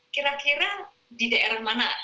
kira kira di daerah mana